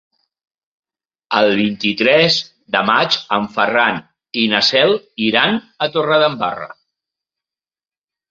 El vint-i-tres de maig en Ferran i na Cel iran a Torredembarra.